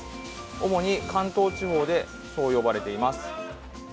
主に関東地方でそう呼ばれています。